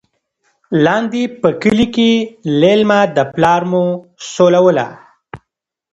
لاندې په کلي کې لېلما د پلار ملا سولوله.